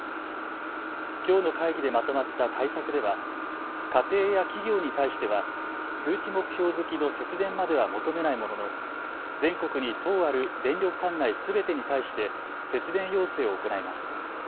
きょうの会議でまとまった対策では家庭や企業に対しては数値目標付きの節電までは求めないものの全国に１０ある電力管内すべてに対して節電要請を行います。